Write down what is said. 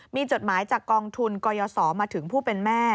มีจดหมายจากกองทุนกยศมาถึงผู้เป็นแม่